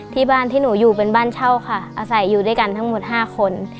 ที่บ้านที่หนูอยู่เป็นบ้านเช่าค่ะอาศัยอยู่ด้วยกันทั้งหมด๕คน